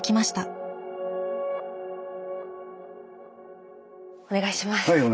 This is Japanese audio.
はいお願いします。